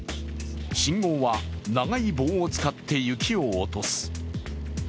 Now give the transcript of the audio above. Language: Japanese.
信号は長い棒を使って雪を落とす。